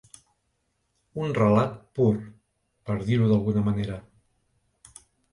Un relat pur, per dir-ho d’alguna manera.